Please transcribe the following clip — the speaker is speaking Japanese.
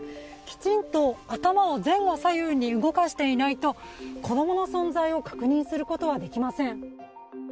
きちんと頭を前後左右に動かしていないと、子供の存在を確認することはできません。